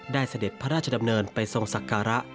เสด็จพระราชดำเนินไปทรงศักระ